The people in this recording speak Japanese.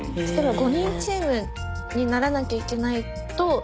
例えば５人チームにならなきゃいけないと。